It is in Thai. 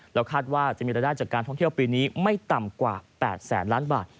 แล้วคาดว่าจะมีรายได้จากการท่องเที่ยวปีนี้ไม่ต่ำกว่า๘แสนล้านบาท